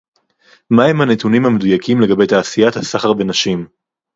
מה הם הנתונים המדויקים לגבי תעשיית הסחר בנשים